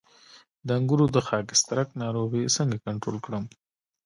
د انګورو د خاکسترک ناروغي څنګه کنټرول کړم؟